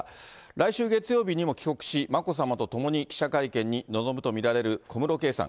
来週月曜日にも帰国し、眞子さまと共に記者会見に臨むと見られる小室圭さん。